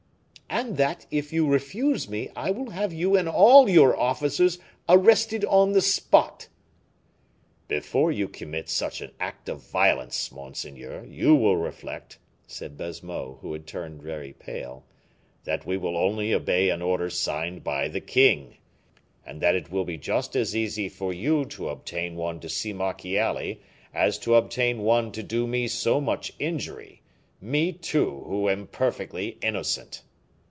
"And that, if you refuse me, I will have you and all your officers arrested on the spot." "Before you commit such an act of violence, monseigneur, you will reflect," said Baisemeaux, who had turned very pale, "that we will only obey an order signed by the king; and that it will be just as easy for you to obtain one to see Marchiali as to obtain one to do me so much injury; me, too, who am perfectly innocent."